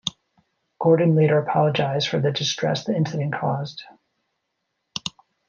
Gordon later apologised for the distress the incident caused.